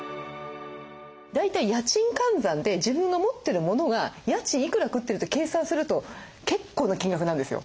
大体家賃換算で自分が持ってるモノが家賃いくら食ってるって計算すると結構な金額なんですよ。